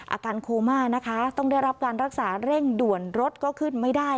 อาการโคม่านะคะต้องได้รับการรักษาเร่งด่วนรถก็ขึ้นไม่ได้